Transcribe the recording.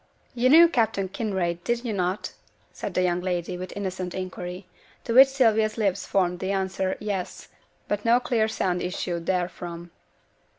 'You knew Captain Kinraid, did you not?' said the young lady, with innocent inquiry; to which Sylvia's lips formed the answer, 'Yes,' but no clear sound issued therefrom.